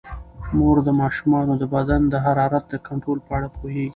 مور د ماشومانو د بدن د حرارت د کنټرول په اړه پوهیږي.